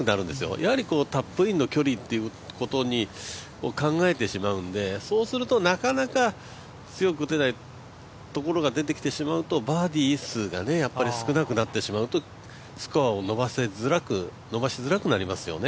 やはりタップインの距離を考えてしまうのでそうするとなかなか強く打てないところが出てきてしまうとバーディー数が少なくなってしまうとスコアを伸ばしづらくなりますよね。